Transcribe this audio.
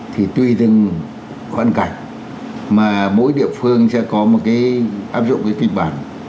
thì tuy từng khoảng cảnh mà mỗi địa phương sẽ có một cái áp dụng kịch bản